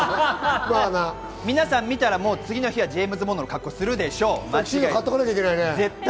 皆さん見たら次の日はジェームズ・ボンドの格好をするでしょう。